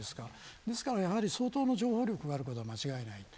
ですから、相当の情報力があることは間違いない。